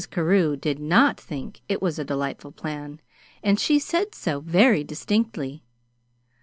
Carew did not think it was a delightful plan, and she said so very distinctly.